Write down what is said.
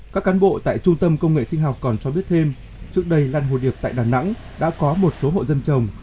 các cán bộ tại trung tâm công nghệ sinh học còn cho biết thêm trước đây lan hồ điệp tại đà nẵng đã có một số hộ dân trồng